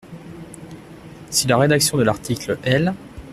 Si la rédaction de l’article L.